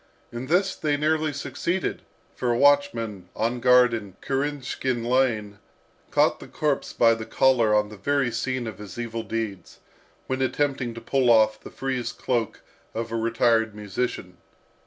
In this they nearly succeeded, for a watchman, on guard in Kirinshkin Lane, caught the corpse by the collar on the very scene of his evil deeds, when attempting to pull off the frieze cloak of a retired musician.